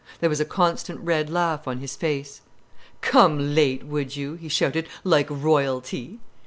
There was a constant red laugh on his face. "Come late, would you," he shouted, "like royalty."